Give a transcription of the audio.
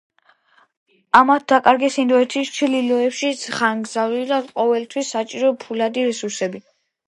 ამათ დაკარგეს ინდოეთის ჩრდილოეთში ხანგრძლივად ყოფნისთვის საჭირო ფულადი რესურსები.